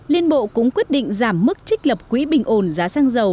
liên bộ cũng quyết định giảm mức trích lập quỹ bình ổn giá xăng dầu